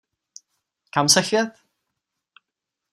Kam se chvět?